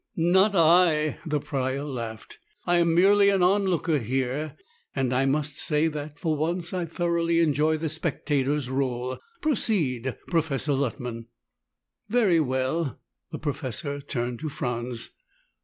"Not I!" The Prior laughed. "I am merely an onlooker here, and I must say that, for once, I thoroughly enjoy the spectator's role. Proceed, Professor Luttman." "Very well." The Professor turned to Franz.